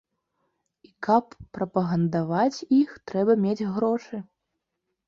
І каб прапагандаваць іх, трэба мець грошы.